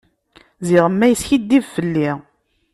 Ziɣemma yeskiddib fell-i.